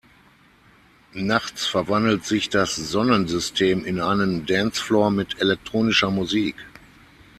Nachts verwandelt sich das Sonnensystem in einen Dancefloor mit elektronischer Musik.